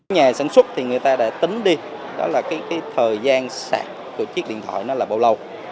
nhà sản xuất thì người ta đã tính đi đó là cái thời gian sạc của chiếc điện thoại nó là bao lâu